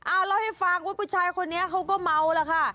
เอาเล่าให้ฟังว่าผู้ชายคนนี้เขาก็เมาแล้วค่ะ